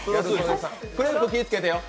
クレープ気ぃつけてよ。